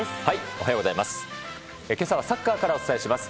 おはようございます。